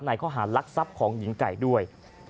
ข้อหารลักทรัพย์ของหญิงไก่ด้วย